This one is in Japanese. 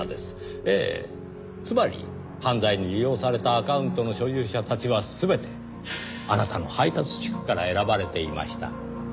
ええつまり犯罪に利用されたアカウントの所有者たちは全てあなたの配達地区から選ばれていました。